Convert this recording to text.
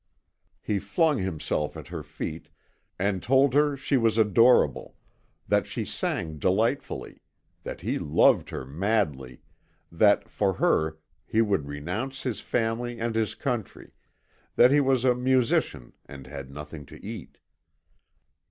He flung himself at her feet and told her she was adorable, that she sang delightfully, that he loved her madly, that, for her, he would renounce his family and his country, that he was a musician and had nothing to eat.